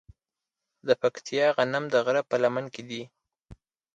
د پکتیا غنم د غره په لمن کې دي.